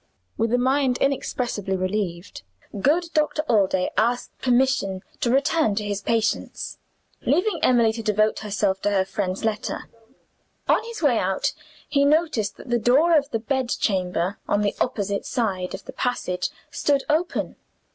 With a mind inexpressibly relieved, good Doctor Allday asked permission to return to his patients: leaving Emily to devote herself to her friend's letter. On his way out, he noticed that the door of the bed chamber on the opposite side of the passage stood open.